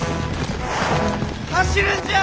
走るんじゃあ！